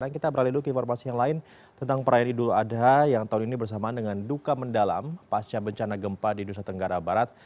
kita beralih dulu ke informasi yang lain tentang perayaan idul adha yang tahun ini bersamaan dengan duka mendalam pasca bencana gempa di nusa tenggara barat